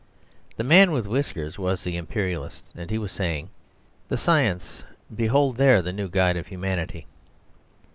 The man with whiskers was the Imperialist, and he was saying: "The science, behold there the new guide of humanity."